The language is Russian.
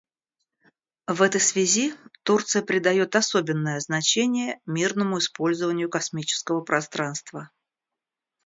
В этой связи Турция придает особенное значение мирному использованию космического пространства.